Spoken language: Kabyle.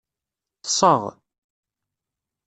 Ḍḍseɣ.